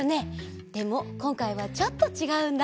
でもこんかいはちょっとちがうんだ。